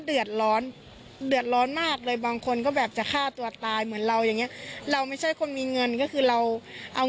เสื้อผ้าเด็กแต่ก็เป็นลูกค้ามาตั้งแต่ตอนนั้น